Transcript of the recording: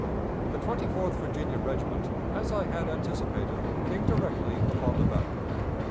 The Twenty fourth Virginia Regiment, as I had anticipated, came directly upon the battery.